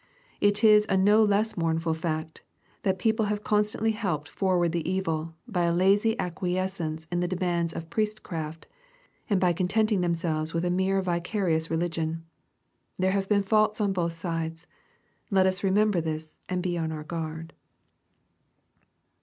It is a no less mournful fact, that people have constantly helped forward the evil, by a lazy acquiescence in the demands of priest craft, and by con tenting themselves with a mere vicarious religion. There have been faults on both sides. Let us remember this, and be on our guard.